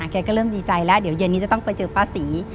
แกก็เริ่มดีใจแล้วเดี๋ยวเย็นนี้จะต้องไปเจอป้าศรี